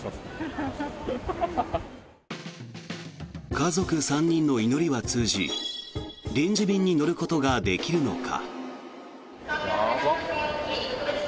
家族３人の祈りは通じ臨時便に乗ることができるのか。